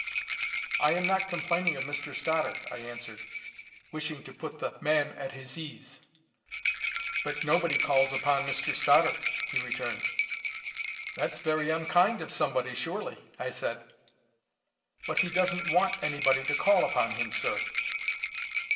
"I am not complaining of Mr Stoddart," I answered, wishing to put the man at his ease. "But nobody calls upon Mr Stoddart," he returned. "That's very unkind of somebody, surely," I said. "But he doesn't want anybody to call upon him, sir."